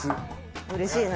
うれしいな。